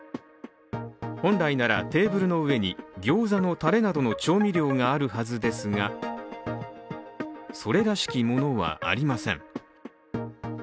本来ならテーブルの上に餃子のタレなどの調味料があるはずですが、それらしきものはありません。